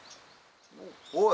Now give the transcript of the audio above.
おい。